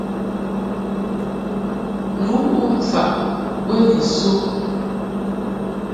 Ni wom faʼ be ni so.